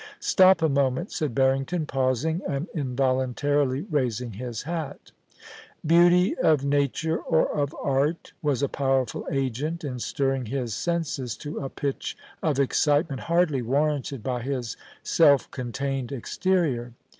'Stop a moment,' said Barrington, pausing and invol untarily raising his hat Beauty of nature or of art was a powerful agent in stirring his senses to a pitch of excitement hardly warranted by his self contained exterior.